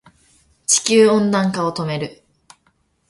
地球温暖化を止める